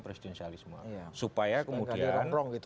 presidensialisme supaya kemudian